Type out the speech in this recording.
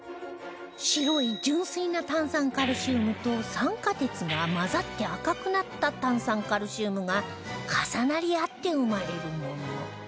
白い純粋な炭酸カルシウムと酸化鉄が混ざって赤くなった炭酸カルシウムが重なり合って生まれるもの